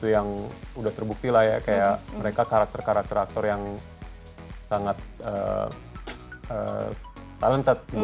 yang udah terbukti lah ya mereka karakter karakter aktor yang sangat talented